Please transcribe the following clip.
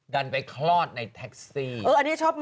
เด็กแบดมาเหมือนกันใช่ไหม